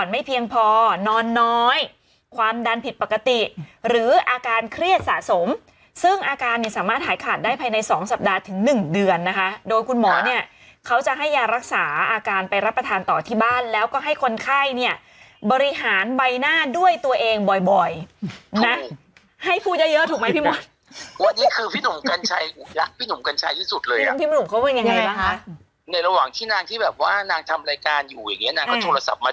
ไม่เพียงพอนอนน้อยความดันผิดปกติหรืออาการเครียดสะสมซึ่งอาการเนี่ยสามารถหายขาดได้ภายใน๒สัปดาห์ถึง๑เดือนนะคะโดยคุณหมอเนี่ยเขาจะให้ยารักษาอาการไปรับประทานต่อที่บ้านแล้วก็ให้คนไข้เนี่ยบริหารใบหน้าด้วยตัวเองบ่อยนะให้พูดเยอะถูกไหมพี่หมุนวันนี้คือพี่หนุ่มกัญชัยรักพี่หนุ่มกัญชัยที่ส